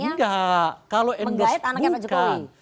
makanya mengait anaknya pak jokowi